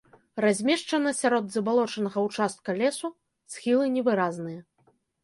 Размешчана сярод забалочанага ўчастка лесу, схілы невыразныя.